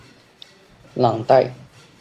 朗代维耶伊勒人口变化图示